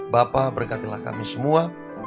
bapak berkatilah kami semua